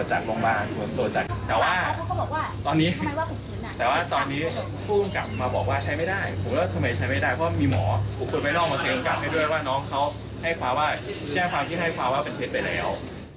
แช่ความที่ให้ความว่าเป็นเผ็ดไปแล้ว